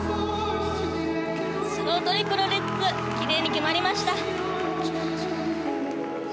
スロウトリプルルッツ奇麗に決まりました。